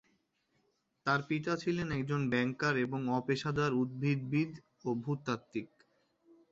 তাঁর পিতা ছিলেন একজন ব্যাংকার এবং অপেশাদার উদ্ভিদবিদ/ভূতাত্ত্বিক।